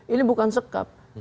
ini bukan sekap